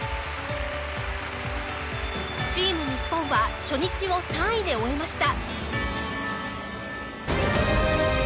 チーム日本は初日を３位で終えました。